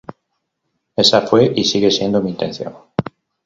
Esa fue y sigue siendo mi intención.